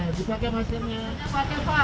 nah dipakai maskernya